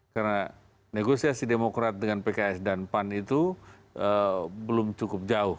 karena negosiasi demokrat dengan pks dan pan itu belum cukup jauh